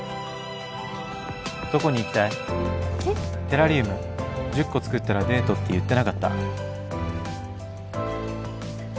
テラリウム１０個作ったらデートって言ってなかった？